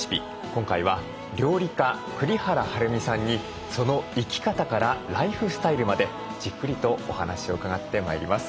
今回は料理家栗原はるみさんにその生き方からライフスタイルまでじっくりとお話を伺ってまいります。